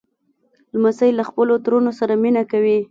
لمسی له خپلو ترونو سره مینه کوي.